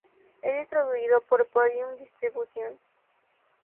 Es distribuido por Podium Distribution.